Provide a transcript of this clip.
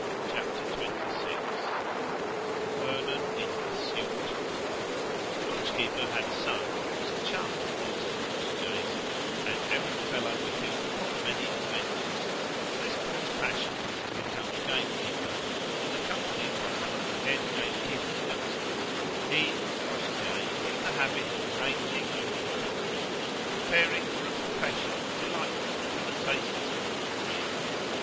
CHAPTER XXVI VERNON IN PURSUIT The lodge keeper had a son, who was a chum of Master Crossjay's, and errant fellow with him upon many adventures; for this boy's passion was to become a gamekeeper, and accompanied by one of the head gamekeeper's youngsters, he and Crossjay were in the habit of rangeing over the country, preparing for a profession delightful to the tastes of all three.